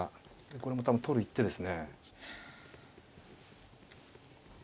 これも多分取る一手ですね。